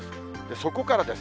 そこからです。